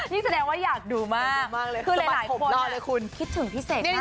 นี่แสดงว่าอยากดูมากคือหลายคนคิดถึงพี่เสกมาก